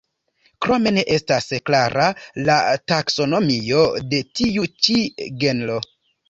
Krome ne estas klara la taksonomio de tiu ĉi genro.